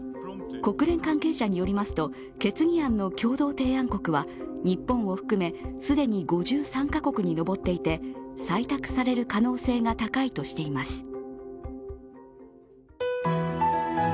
国連関係者によりますと、決議案の共同提案国は日本を含め既に５３カ国に上っていて、採択される可能性が高いとしています。